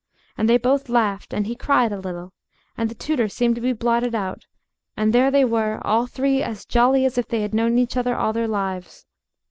And they both laughed, and he cried a little, and the tutor seemed to be blotted out, and there they were, all three as jolly as if they had known each other all their lives.